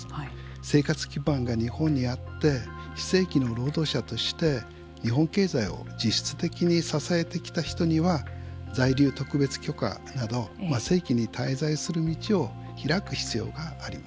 生活基盤が日本にあって非正規の労働者として日本経済を実質的に支えてきた人には在留特別許可など正規に滞在する道を開く必要がある。